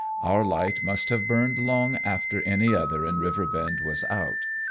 Our light must have burned long after every other in Riverbend was out.